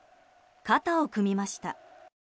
肩を組みました。